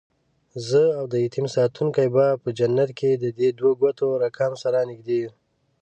زه اودیتیم ساتونکی به په جنت کې ددې دوو ګوتو رکم، سره نږدې یو